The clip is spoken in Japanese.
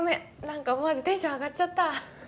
なんか思わずテンション上がっちゃった。